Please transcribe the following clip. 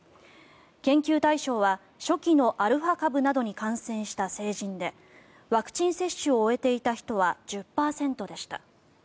研究対象は初期のアルファ株などに感染した成人でワクチン接種を終えていた人は１０％でした。